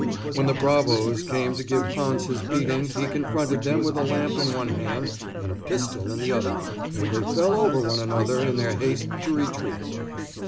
When the bravos came to give Hans his beating he confronted them with a lamp in one hand and a pistol in the other, and they fell over one another in their haste to retreat.